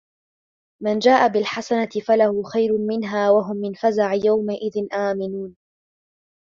من جاء بالحسنة فله خير منها وهم من فزع يومئذ آمنون